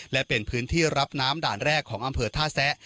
และเป็นพื้นที่รับน้ำด่านแรกของอำเภอท่าแซะ